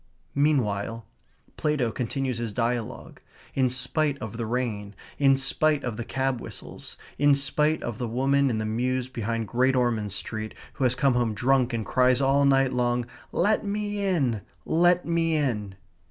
Meanwhile, Plato continues his dialogue; in spite of the rain; in spite of the cab whistles; in spite of the woman in the mews behind Great Ormond Street who has come home drunk and cries all night long, "Let me in! Let me in!"